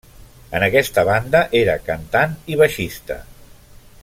En aquesta banda era cantant i baixista.